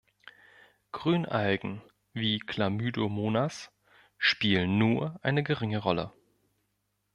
Grünalgen wie "Chlamydomonas" spielen nur eine geringe Rolle.